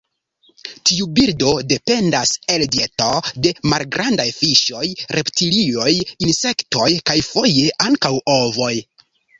Tiu birdo dependas el dieto de malgrandaj fiŝoj, reptilioj, insektoj kaj foje ankaŭ ovoj.